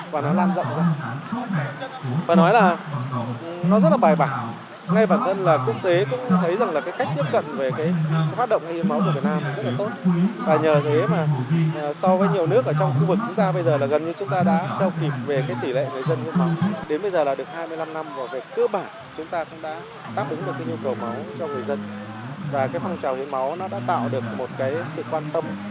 và phong trào hiến máu đã tạo được một sự quan tâm một sự gắn bó với đông đảo người dân